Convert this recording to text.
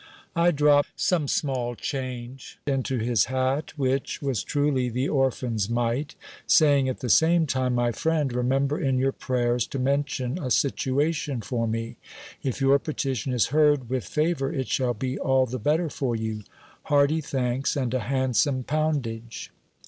I dropped some small change into his hat, which w is truly the orphan's mite, saying at the same time : My friend, remember in your prayers to mention a situation for me ; if your petition is heard with favour, it shall be all the better for you ; hearty thanks, and a handsome poundage